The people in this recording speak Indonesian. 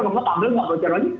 kemudian panggil nggak bocor lagi